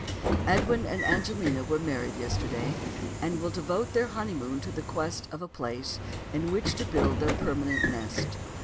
Edwin and Angelina were married yesterday, and will devote their honey moon to the quest of a place in which to build their permanent nest.